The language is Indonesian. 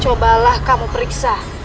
cobalah kamu periksa